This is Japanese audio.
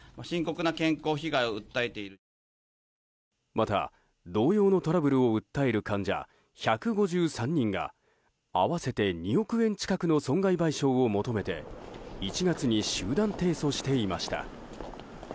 また同様のトラブルを訴える患者１５３人が合わせて２億円近くの損害賠償を求めて１月に集団提訴していました。